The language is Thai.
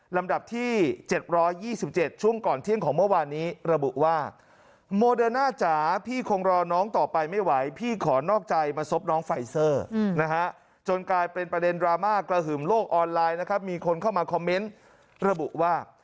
ลำดับที่๗๒๗ช่วงก่อนเที่ยงของเมื่อวานนี้ระบุว่า